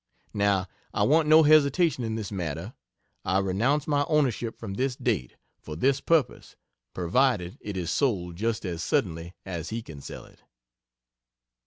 Now, I want no hesitation in this matter. I renounce my ownership from this date, for this purpose, provided it is sold just as suddenly as he can sell it.